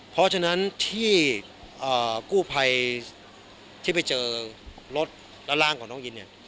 เพราะฉะนั้นที่กู้ภัยที่ไปเจอรถและร่างของน้องอินเนี่ย